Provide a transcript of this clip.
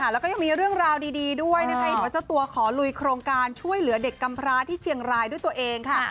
แล้วก็ยังมีเรื่องราวดีด้วยนะคะเห็นว่าเจ้าตัวขอลุยโครงการช่วยเหลือเด็กกำพร้าที่เชียงรายด้วยตัวเองค่ะ